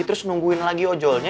terus nungguin lagi ojolnya